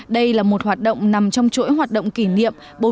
đây là một hoạt động nằm trong chuỗi hoạt động kỷ niệm